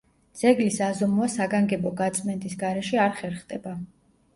ძეგლის აზომვა საგანგებო გაწმენდის გარეშე არ ხერხდება.